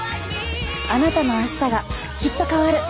あなたのあしたがきっと変わる。